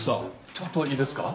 ちょっといいですか？